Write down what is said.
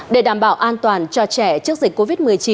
để đảm bảo an toàn cho trẻ trước dịch covid một mươi chín